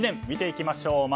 見ていきましょう。